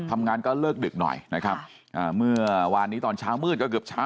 ทำงานก็เลิกดึกหน่อยนะครับอ่าเมื่อวานนี้ตอนเช้ามืดก็เกือบเช้า